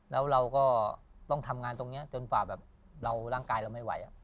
แล้วเราก็ต้องทำงานตรงนี้จนฝ่าแบบเราร่างกายเราไม่ไหว